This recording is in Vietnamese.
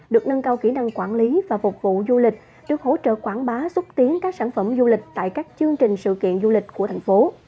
được nâng cao kỹ năng quản lý và phục vụ du lịch được hỗ trợ quảng bá xúc tiến các sản phẩm du lịch tại các chương trình sự kiện du lịch của thành phố